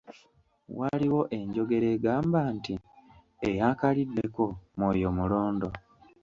Waliwo enjogera egamba nti, "Eyaakaliddeko omwoyo mulondo".